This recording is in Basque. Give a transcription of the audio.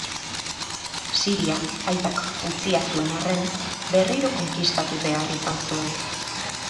Siria, aitak utzia zuen arren, berriro konkistatu behar izan zuen.